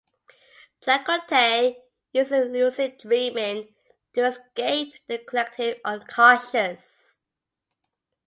Chakotay uses lucid dreaming to escape the collective unconscious.